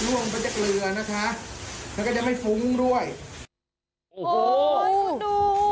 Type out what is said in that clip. ลงไปจากเรือนะคะแล้วก็จะไม่ฟุ้งด้วยโอ้โหดู